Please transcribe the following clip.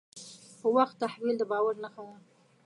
په وخت تحویل د باور نښه ده.